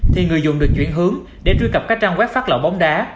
thì người dùng được chuyển hướng để truy cập các trang web phát lộ bóng đá